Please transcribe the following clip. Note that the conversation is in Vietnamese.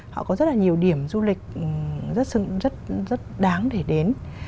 họ có rất là nhiều điểm du lịch rất đáng để đến